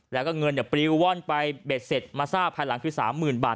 แล้วก็เงินเนี่ยปริวว่อนไปเบ็ดเสร็จมาสร้างที่สามหมื่นบาท